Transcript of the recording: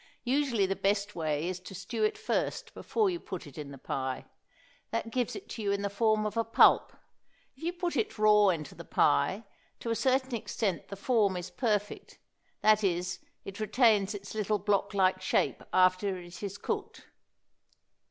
Usually the best way is to stew it first before you put it in the pie. That gives it to you in the form of a pulp. If you put it raw into the pie, to a certain extent the form is perfect, that is, it retains its little block like shape after it is cooked.